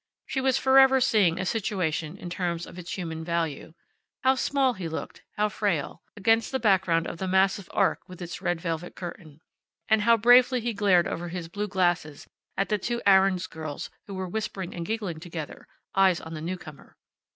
She was forever seeing a situation in terms of its human value. How small he looked, how frail, against the background of the massive Ark with its red velvet curtain. And how bravely he glared over his blue glasses at the two Aarons girls who were whispering and giggling together, eyes on the newcomer.